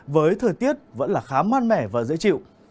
với thời tiết vẫn là khá mát mẻ và dễ chịu